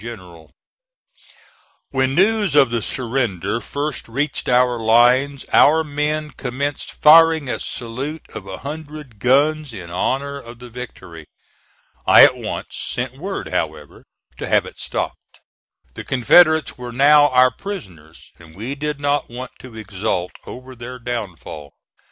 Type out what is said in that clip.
General. When news of the surrender first reached our lines our men commenced firing a salute of a hundred guns in honor of the victory. I at once sent word, however, to have it stopped. The Confederates were now our prisoners, and we did not want to exult over their downfall.